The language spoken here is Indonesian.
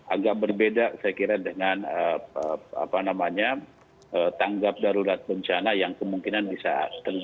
agak berbeda saya kira dengan tanggap darurat bencana yang kemungkinan bisa terjadi